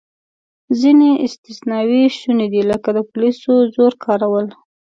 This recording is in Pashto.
ځینې استثناوې شونې دي، لکه د پولیسو زور کارول.